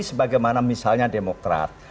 sebagai mana misalnya demokrat